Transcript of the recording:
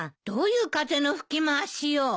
どういう風の吹き回しよ？